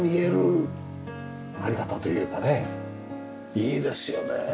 いいですよね。